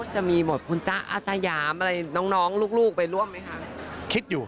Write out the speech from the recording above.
จะมีหมดพุนตร์จ๊ะอาซายามอะไรน้องลูกไปร่วมไหมคะ